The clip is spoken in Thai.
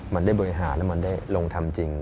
มันได้บริหารแล้วมันได้ลงทำจริง